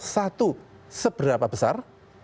satu seberapa besar